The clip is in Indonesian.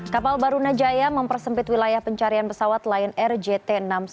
kapal barunajaya mempersempit wilayah pencarian pesawat lion air jt enam ratus sepuluh